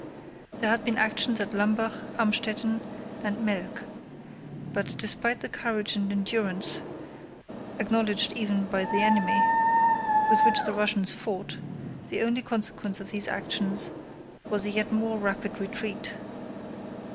There had been actions at Lambach, Amstetten, and Melk; but despite the courage and endurance—acknowledged even by the enemy—with which the Russians fought, the only consequence of these actions was a yet more rapid retreat.